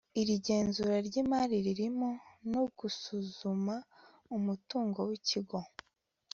iri genzura ryimari ririmo no gusuzuma umutungo wikigo